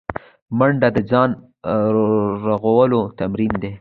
منډه د ځان رغولو تمرین دی